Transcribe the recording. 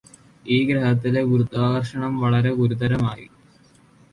ഈ ഗ്രഹത്തിലെ ഗുരുത്വാകര്ഷണം വളരെ ഗുരുതരമായി